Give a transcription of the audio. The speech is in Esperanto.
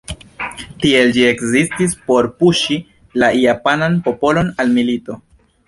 Tiel ĝi ekzistis por puŝi la japanan popolon al milito.